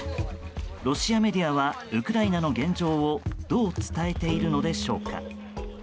ロシアメディアはウクライナの現状をどう伝えているのでしょうか。